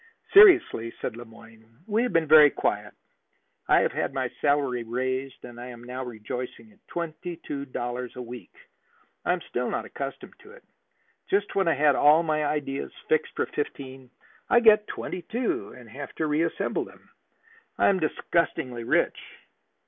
"Seriously," said Le Moyne, "we have been very quiet. I have had my salary raised and am now rejoicing in twenty two dollars a week. I am still not accustomed to it. Just when I had all my ideas fixed for fifteen, I get twenty two and have to reassemble them. I am disgustingly rich."